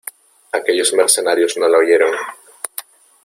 aquellos mercenarios no la oyeron.